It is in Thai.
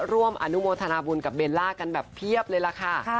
ร่วมอนุโมทนาบุญกับเบลล่ากันแบบเพียบเลยล่ะค่ะ